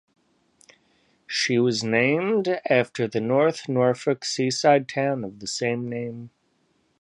She was named after the North Norfolk seaside town of the same name.